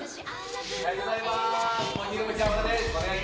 おはようございます！